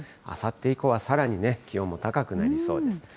あさって以降はさらに気温も高くなりそうです。